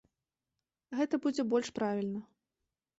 Гэта будзе больш правільна.